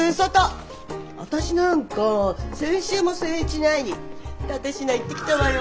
私なんか先週も誠一に会いに蓼科行ってきたわよ。